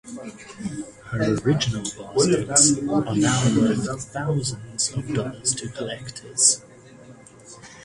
Her original baskets are now worth thousands of dollars to collectors.